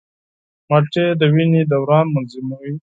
مالټې د وینې دوران منظموي.